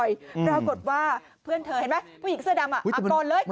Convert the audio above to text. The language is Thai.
ปรากฏว่าเพื่อนเธอเห็นไหมผู้หญิงเสื้อดำก่อนเลย